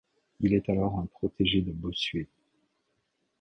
Il est alors un protégé de Bossuet.